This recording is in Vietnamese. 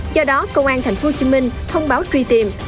do đó công an tp hcm thông báo truy tìm